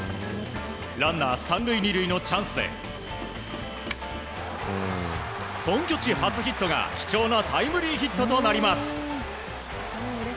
ランナー３塁２塁のチャンスで本拠地初ヒットが貴重なタイムリーヒットとなります。